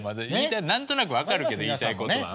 何となく分かるけど言いたいことは。